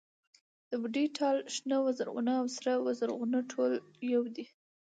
د بوډۍ ټال، شنه و زرغونه او سره و زرغونه ټول يو دي.